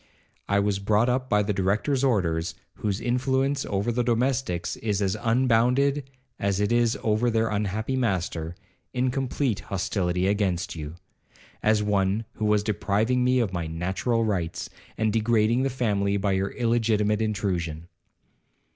I was brought up, by the Director's orders, whose influence over the domestics is as unbounded as it is over their unhappy master, in complete hostility against you, as one who was depriving me of my natural rights, and degrading the family by your illegitimate intrusion.